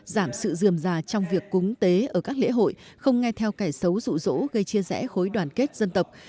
giảm sự dườm già trong việc cúng tế ở các lễ hội không nghe theo cải xấu rụ rỗ gây chia rẽ khối đoàn kết dân tộc